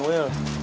gak like banget sih